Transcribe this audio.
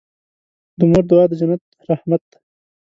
د مور دعا د خدای رحمت دی.